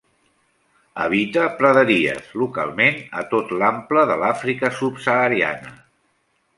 Habita praderies, localment a tot l'ample de l'Àfrica subsahariana.